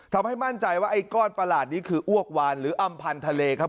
ทำให้มั่นใจว่าไอ้ก้อนประหลาดนี้คืออ้วกวานหรืออำพันธ์ทะเลครับ